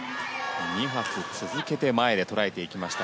２発続けて前で捉えていきました。